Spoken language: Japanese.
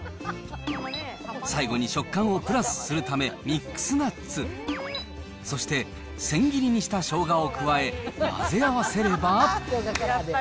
最後に食感をプラスするため、ミックスナッツ、そして千切りにしたしょうがを加え、混ぜ合わせれば。